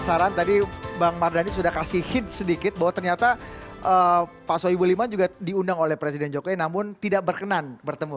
penasaran tadi bang mardhani sudah kasih hint sedikit bahwa ternyata pak soebul iman juga diundang oleh presiden jokowi namun tidak berkenan bertemu